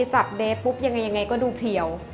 จากเดย์ปุ๊บยังไงก็ดูเพียว